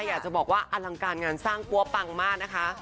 อยากจะบอกว่าอลังการงานสร้างปั๊วปังมากนะคะ